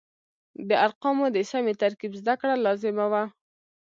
د ارقامو د سمې ترکیب زده کړه لازمه وه.